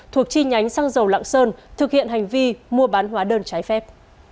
thuộc chi nhánh xăng dầu lạng sơn thực hiện hành vi mua bán hóa đơn trái phép